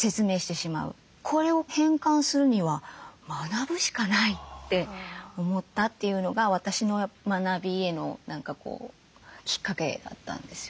これを変換するには学ぶしかないって思ったというのが私の学びへのきっかけだったんですよね。